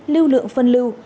lưu lượng phân lưu